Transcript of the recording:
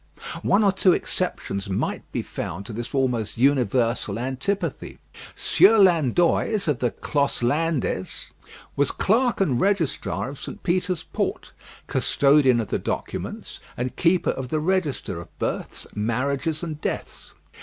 One or two exceptions might be found to this almost universal antipathy. Sieur Landoys, of the Clos Landés, was clerk and registrar of St. Peter's Port, custodian of the documents, and keeper of the register of births, marriages, and deaths.